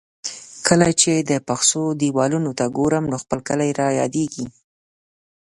کله چې د پسخو دېوالونو ته ګورم، نو خپل کلی را یادېږي.